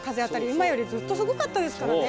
今よりずっとすごかったですからね。